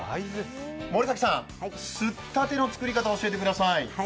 森崎さん、すったての作り方教えてください。